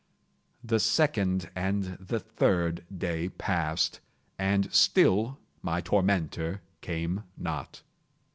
The second and the third day passed, and still my tormentor came not.